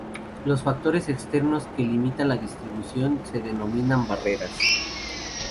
Los factores externos que limitan la distribución se denominan barreras.